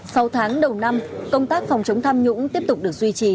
sau tháng đầu năm công tác phòng chống tham nhũng tiếp tục được duy trì